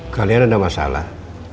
kalian ada masalah